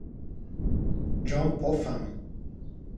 John Popham